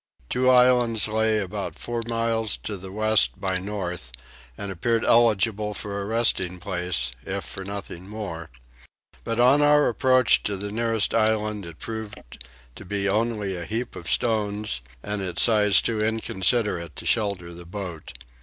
Two islands lay about four miles to the west by north, and appeared eligible for a resting place, if for nothing more; but on our approach to the nearest island it proved to be only a heap of stones, and its size too inconsiderable to shelter the boat.